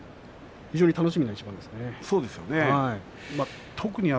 非常に楽しみな一番ですね。